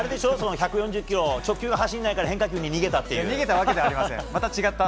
１４０キロ直球が走らないから変化球に逃げたと。